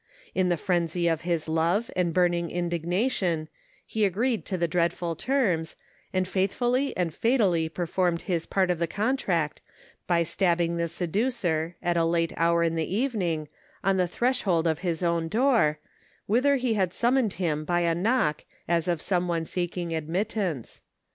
In the frenzy of his love and burn ing indignation, he agreed to the dreadful jterms, and faithfully and fatally performed his part of the contract by stabbing the seducer, at a late hour in the evening, lOn the threshold of his own door, whither he had summoned him by a knock as of some 70 one seeking admittance.